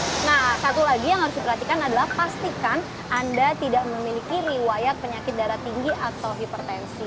nah satu lagi yang harus diperhatikan adalah pastikan anda tidak memiliki riwayat penyakit darah tinggi atau hipertensi